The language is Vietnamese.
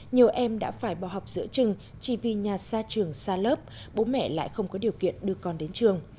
nhiều em đã phải bỏ học giữa trường chỉ vì nhà xa trường xa lớp bố mẹ lại không có điều kiện đưa con đến trường